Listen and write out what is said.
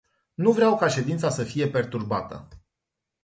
Nu vreau ca ședința să fie perturbată.